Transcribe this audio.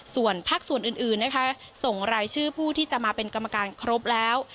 ส่วนภาคส่วนอื่นนะคะส่งรายชื่อผู้ที่จะมาเป็นกรรมการครบแล้ว